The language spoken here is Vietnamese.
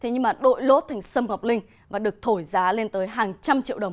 nhưng đội lốt thành xâm ngọc linh và được thổi giá lên tới hàng trăm triệu đồng một kg